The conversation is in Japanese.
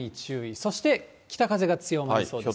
そして、北風が強まりそうです。